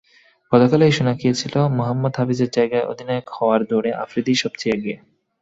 গতকালই শোনা গিয়েছিল, মোহাম্মদ হাফিজের জায়গায় অধিনায়ক হওয়ার দৌড়ে আফ্রিদিই সবচেয়ে এগিয়ে।